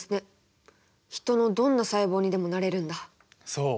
そう。